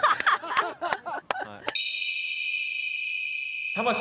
ハハハハッ！